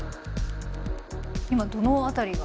今どの辺りが？